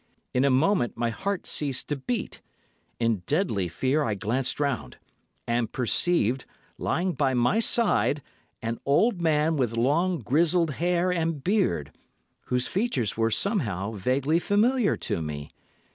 In a moment my heart ceased to beat; in deadly fear I glanced round, and perceived, lying by my side, an old man with long, grizzled hair and beard, whose features were somehow vaguely familiar to me.